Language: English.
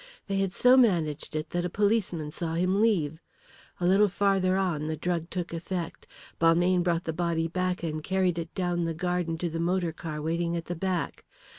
They had so managed it that a policeman saw him leave. A little further on the drug took effect. Balmayne brought the body back and carried it down the garden to the motor car waiting at the back.